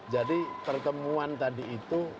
jadi pertemuan tadi itu